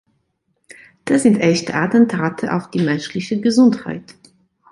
Das sind echte Attentate auf die menschliche Gesundheit.